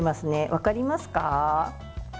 分かりますか？